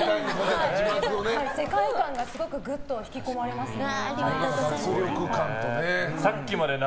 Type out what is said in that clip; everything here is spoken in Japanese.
世界観がすごくぐっと引き込まれますね。